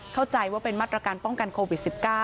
เข้าใจว่าเป็นมาตรการป้องกันโควิด๑๙